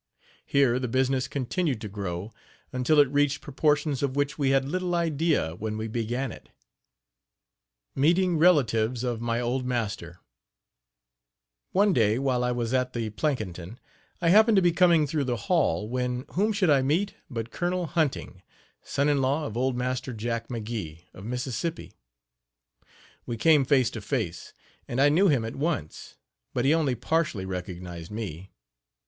Here the business continued to grow until it reached proportions of which we had little idea when we began it. MEETING RELATIVES OF MY OLD MASTER. One day while I was at the Plankinton I happened to be coming through the hall, when whom should I meet but Col. Hunting, son in law of old Master Jack McGee, of Mississippi. We came face to face, and I knew him at once, but he only partially recognized me.